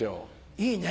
いいね。